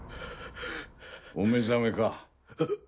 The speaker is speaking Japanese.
お目覚めか？